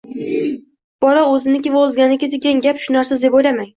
Bolaga o‘ziniki va o‘zganiki degan gap tushunarsiz, deb o‘ylamang.